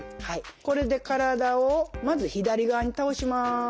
これで体をまず左側に倒します。